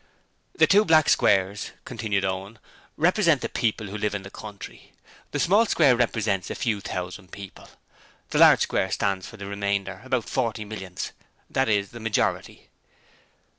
'The two black squares,' continued Owen, 'represent the people who live in the country. The small square represents a few thousand people. The large square stands for the remainder about forty millions that is, the majority.'